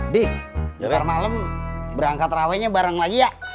di nanti malem berangkat rawenya bareng lagi ya